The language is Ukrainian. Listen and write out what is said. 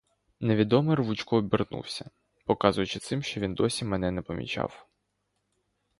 Невідомий рвучко обернувся, показуючи цим, що досі він мене не помічав.